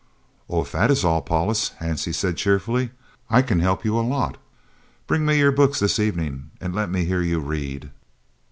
"Oh, if that is all, Paulus," Hansie said cheerfully, "I can help you a lot. Bring me your books this evening and let me hear you read."